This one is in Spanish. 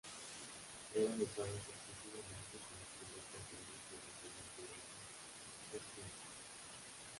Eran usadas exclusivamente por los pilotos de elite del Señor de la Guerra Zsinj.